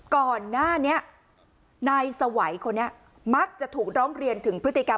ก่อนหน้านี้นายสวัยคนนี้มักจะถูกร้องเรียนถึงพฤติกรรม